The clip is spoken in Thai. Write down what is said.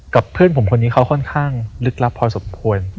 เพื่อนผมคนนี้เขาค่อนข้างลึกลับพอสมควร